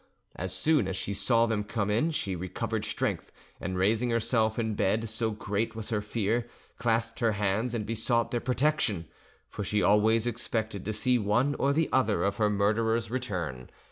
As soon as she saw them come in she recovered strength, and raising herself in bed, so great was her fear, clasped her hands and besought their protection; for she always expected to see one or the other of her murderers return.